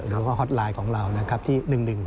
แล้วก็ฮอตไลน์ของเราที่๑๑๖๙